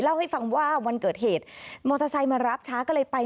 เล่าให้ฟังว่าวันเกิดเหตุมอเตอร์ไซค์มารับช้าก็เลยไป